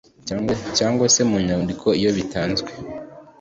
cyangwa se mu nyandiko Iyo bitanzwe